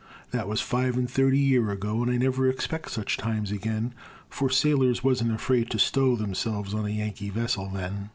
That was five and thirty year ago, And I never expect such times again, For sailors wasn't afraid to stow Themselves on a Yankee vessel then.